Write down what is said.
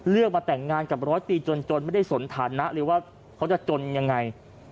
มาแต่งงานกับร้อยปีจนไม่ได้สนฐานะเลยว่าเขาจะจนยังไง